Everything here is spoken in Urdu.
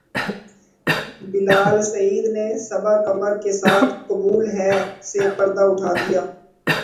بلال سعید نے صبا قمر کے ساتھ قبول ہے سے پردہ اٹھا دیا